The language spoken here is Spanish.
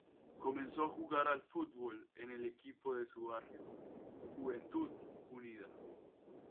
Comenzó a jugar al fútbol en el equipo de su barrio, Juventud Unida.